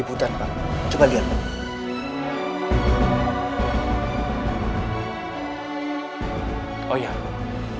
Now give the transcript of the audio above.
pak tata servantating friend